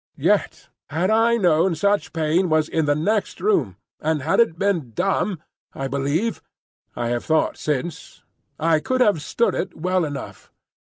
Yet had I known such pain was in the next room, and had it been dumb, I believe—I have thought since—I could have stood it well enough.